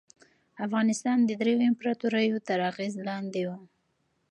افغانستان د دریو امپراطوریو تر اغېز لاندې و.